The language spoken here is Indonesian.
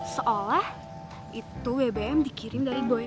seolah itu bbm dikirim dari bumn